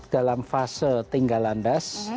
dalam fase tinggal landas